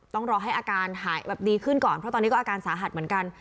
ต้องรอให้อาการหายแบบดีขึ้นก่อนเพราะตอนนี้ก็อาการสาหัสเหมือนกัน